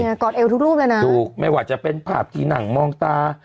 เห็นไหมกอดเอลทุกแล้วนะถูกไม่ว่าจะเป็นภาพที่หนังมองตา